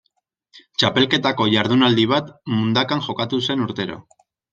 Txapelketako jardunaldi bat Mundakan jokatu zen urtero.